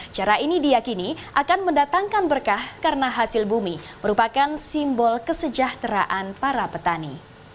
cara ini diakini akan mendatangkan berkah karena hasil bumi merupakan simbol kesejahteraan para petani